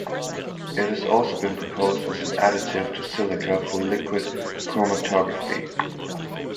It has also been proposed as an additive to silica for liquid chromatography.